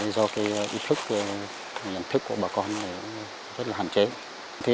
do ý thức nhận thức của bà con rất là hạn chế